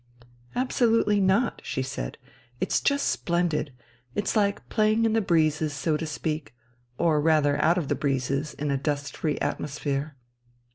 "Absolutely not," she said. "It's just splendid; it's like playing in the breezes, so to speak, or rather out of the breezes, in a dust free atmosphere.